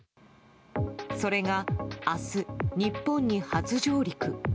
それが明日、日本に初上陸。